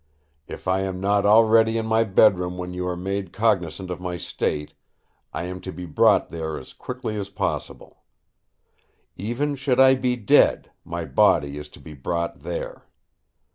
If I am not already in my bedroom when you are made cognisant of my state, I am to be brought there as quickly as possible. Even should I be dead, my body is to be brought there.